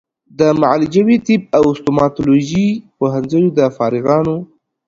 د معالجوي طب او ستوماتولوژي پوهنځیو د فارغانو